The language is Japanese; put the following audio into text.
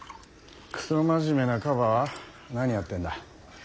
クソ真面目なカバは何やってんだ。